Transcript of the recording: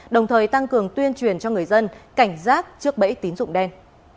đồng thời tăng cường tuyên truyền cho người dân cảnh giác trước bẫy tín dụng đen